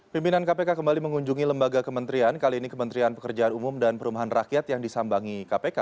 pimpinan kpk kembali mengunjungi lembaga kementerian kali ini kementerian pekerjaan umum dan perumahan rakyat yang disambangi kpk